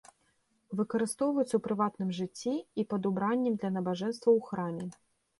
Выкарыстоўваецца ў прыватным жыцці і пад убраннем для набажэнстваў у храме.